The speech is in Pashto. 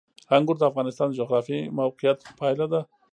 انګور د افغانستان د جغرافیایي موقیعت پایله ده.